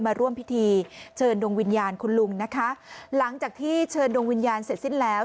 มาร่วมพิธีเชิญดวงวิญญาณคุณลุงนะคะหลังจากที่เชิญดวงวิญญาณเสร็จสิ้นแล้ว